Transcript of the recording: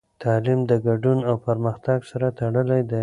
تعلیم د ګډون او پرمختګ سره تړلی دی.